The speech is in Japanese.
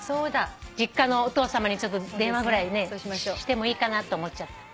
実家のお父さまに電話ぐらいしてもいいかなって思っちゃった。